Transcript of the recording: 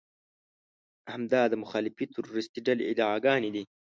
همدا د مخالفې تروريستي ډلې ادعاګانې دي.